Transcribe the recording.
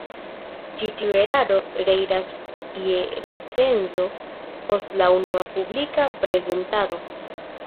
Ĉi tiu eraro reiras je recenzo post la unua publika prezentado.